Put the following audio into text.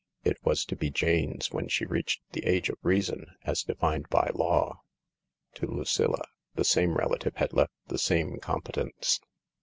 It was to be Jane's \vhen she reached the age of reason as defined by law. To Lucilla the same relative had left the same competence.